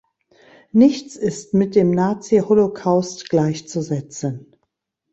Nichts ist mit dem Nazi-Holocaust gleichzusetzen.